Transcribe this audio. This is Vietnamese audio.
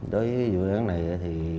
đối với vụ đoán này thì